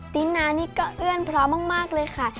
ตินานี่ก็เอื้อนเพราะมากเลยค่ะ